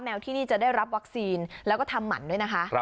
ที่นี่จะได้รับวัคซีนแล้วก็ทำหมันด้วยนะคะ